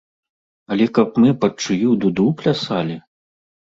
Але каб мы пад чыю дуду плясалі?